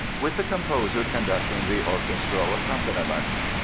with the composer conducting the orchestral accompaniment.